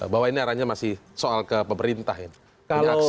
bahwa ini arahnya masih soal ke pemerintah ya